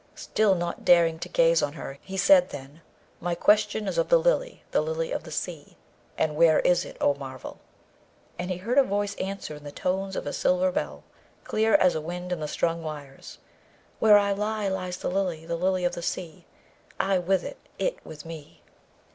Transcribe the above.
Still not daring to gaze on her, he said then, 'My question is of the Lily, the Lily of the Sea, and where is it, O marvel?' And he heard a voice answer in the tones of a silver bell, clear as a wind in strung wires, 'Where I lie, lies the Lily, the Lily of the Sea; I with it, it with me.'